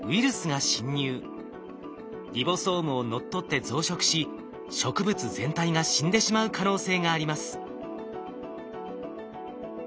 リボソームを乗っ取って増殖し植物全体が死んでしまう可能性があります。